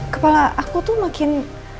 kepala aku tuh makin